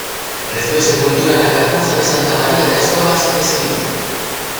Recibió sepultura en la Cartuja de Santa María de las Cuevas de Sevilla.